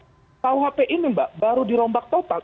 rkuhp ini mbak baru dirombak total